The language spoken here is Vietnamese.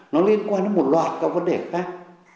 nó liên quan đến một loạt các vấn đề khác